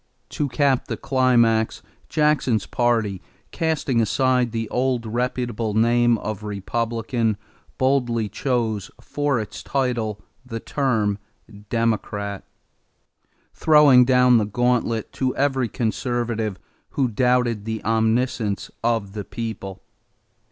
To cap the climax, Jackson's party, casting aside the old and reputable name of Republican, boldly chose for its title the term "Democrat," throwing down the gauntlet to every conservative who doubted the omniscience of the people.